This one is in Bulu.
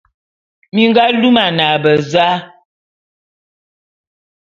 Mi nga lumane beza?